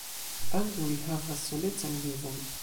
Ankaŭ ri havas solecan vivon.